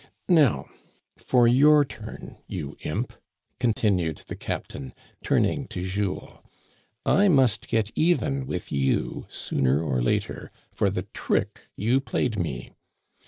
" Now for your turn, you imp," continued the cap tain, turning to Jules. " I must get^ven with you, sooner or later, for the trick you played me.